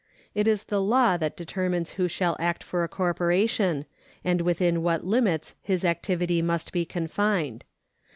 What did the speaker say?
It is the law that determines who shall act for a corporation, and within what limits his activity must be confined.